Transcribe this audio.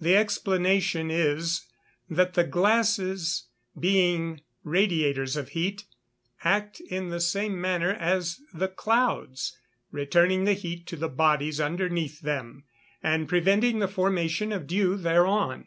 The explanation is that the glasses, being radiators of heat, act in the same manner as the clouds, returning the heat to the bodies underneath them, and preventing the formation of dew thereon.